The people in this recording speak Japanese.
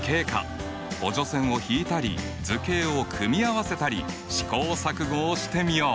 補助線を引いたり図形を組み合わせたり試行錯誤をしてみよう。